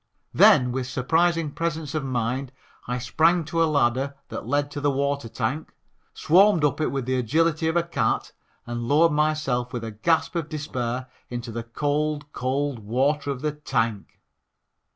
Then with surprising presence of mind, I sprang to a ladder that led to the water tank, swarmed up it with the agility of a cat and lowered myself with a gasp of despair into the cold, cold water of the tank.